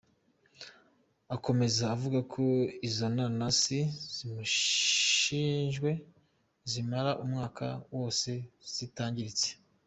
Akomeza avuga ko izo nanasi zumishijwe zimara umwaka wose zitangiritse.